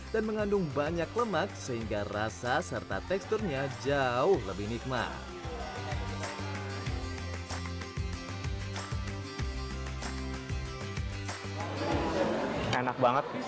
dan mengandung banyak lemak sehingga rasa serta teksturnya jauh lebih nikmat